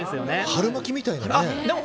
春巻きみたいですね。